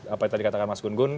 apa yang tadi katakan mas gun gun